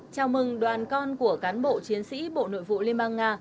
chào mừng đoàn con của cán bộ chiến sĩ bộ nội vụ liên bang nga